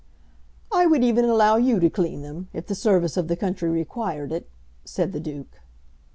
"I would even allow you to clean them, if the service of the country required it," said the Duke.